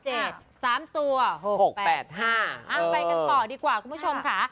ไปกันต่อดีกว่าคุณผู้ชมค่ะ